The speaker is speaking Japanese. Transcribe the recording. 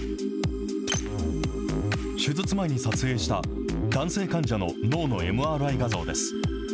手術前に撮影した男性患者の脳のＭＲＩ画像です。